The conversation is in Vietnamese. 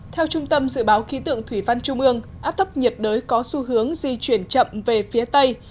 theo trung tâm dự báo khí tượng thủy văn trung ương áp thấp nhiệt đới có xu hướng di chuyển chậm về phía tây